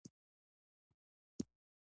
افغانستان د دځنګل حاصلات له پلوه متنوع دی.